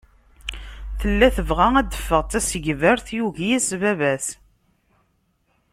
Tella tebɣa ad d-teffeɣ d tasegbart, yugi-yas baba-s.